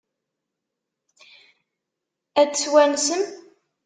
Ad t-twansem?